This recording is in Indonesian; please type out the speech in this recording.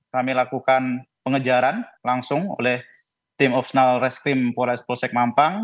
kami lakukan pengejaran langsung oleh tim opsenal reskrim pores polsek mampang